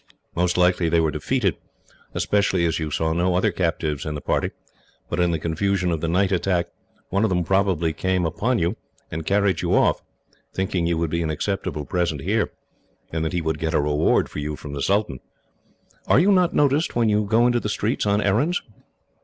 Most likely they were defeated, especially as you saw no other captives in the party, but in the confusion of the night attack, one of them probably came upon you, and carried you off, thinking you would be an acceptable present here, and that he would get a reward for you from the sultan. "Are you not noticed, when you go into the streets on errands?"